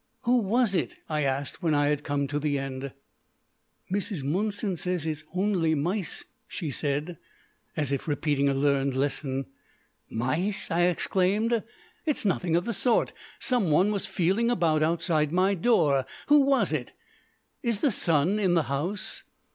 "Who was it?" I asked when I had come to the end. "Mrs. Monson says it's honly mice," she said, as if repeating a learned lesson. "Mice!" I exclaimed; "It's nothing of the sort. Someone was feeling about outside my door. Who was it? Is the son in the house?"